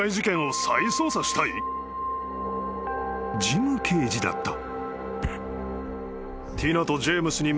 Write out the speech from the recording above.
［ジム刑事だった］